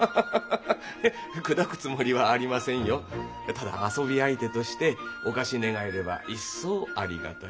ただ遊び相手としてお貸し願えれば一層ありがたい。